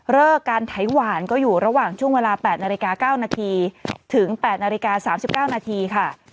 การไถหวานก็อยู่ระหว่างช่วงเวลา๘นาฬิกา๙นาทีถึง๘นาฬิกา๓๙นาทีค่ะ